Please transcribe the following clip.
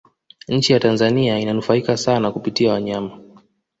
nchi ya tanzania inanufaika sana kupitia wanyama